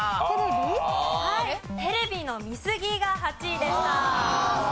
テレビの見すぎが８位でした。